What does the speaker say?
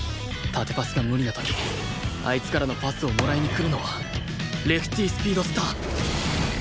縦パスが無理な時あいつからのパスをもらいに来るのはレフティ・スピードスター